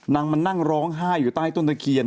นางมานั่งร้องไห้อยู่ใต้ต้นตะเคียน